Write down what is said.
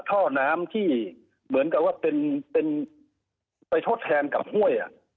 ท่อน้ำที่เหมือนกับว่าเป็นไปทดแทนกับห้วย